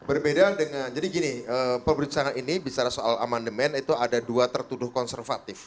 berbeda dengan jadi gini perbincangan ini bicara soal amandemen itu ada dua tertuduh konservatif